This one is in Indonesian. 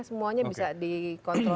semuanya bisa dikontrol